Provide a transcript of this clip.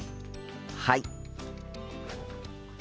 はい。